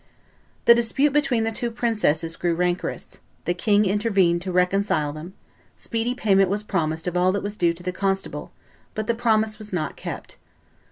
The dispute between the two princesses grew rancorous; the king intervened to reconcile them; speedy payment was promised of all that was due to the constable, but the promise was not kept.